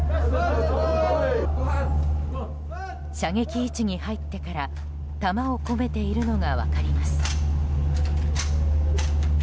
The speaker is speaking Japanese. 射撃位置に入ってから弾を込めているのが分かります。